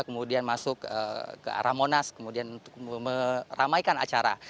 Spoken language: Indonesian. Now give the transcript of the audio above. kemudian masuk ke arah monas kemudian untuk meramaikan acara